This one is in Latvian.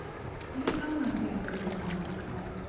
Arī saulaina diena var radīt nomāktību.